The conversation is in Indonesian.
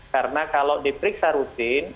karena kalau diperiksa rutin